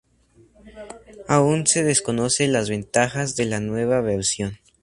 Aún se desconoce las ventajas de la nueva versión.